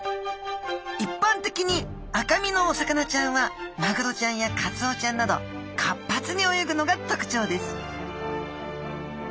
いっぱん的に赤身のお魚ちゃんはマグロちゃんやカツオちゃんなど活発に泳ぐのがとくちょうです